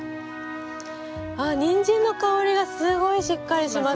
あニンジンの香りがすごいしっかりします。